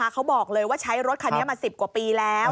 เขาบอกเลยว่าใช้รถคันนี้มา๑๐กว่าปีแล้ว